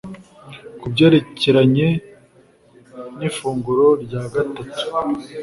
Ku byerekeranye n’ifunguro rya gatatu,